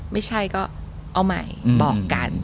ไม่ใช่ก็เอาใหม่บอกกัน